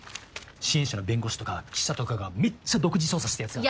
支援者の弁護士とか記者とかがめっちゃ独自捜査したやつが。